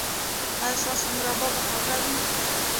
ایا ستاسو مربا به خوږه وي؟